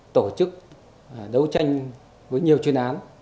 tổ chức đấu tranh với nhiều chuyên án